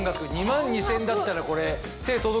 ２万２０００円だったらこれ手届くでしょ。